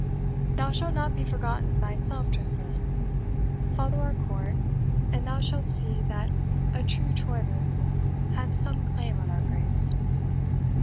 Thou shalt not be forgotten thyself, Tressilian follow our court, and thou shalt see that a true Troilus hath some claim on our grace.